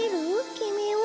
きみを？